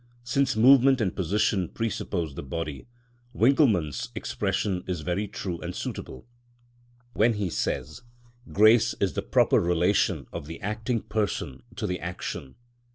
Since movement and position presuppose the body, Winckelmann's expression is very true and suitable, when he says, "Grace is the proper relation of the acting person to the action" (Works, vol.